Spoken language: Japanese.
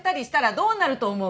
どうなると思う。